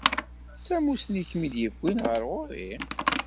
D tamussni i kem-id-yewwin ar ɣur-i?